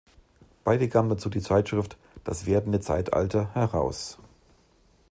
Beide gaben dazu die Zeitschrift „Das Werdende Zeitalter“ heraus.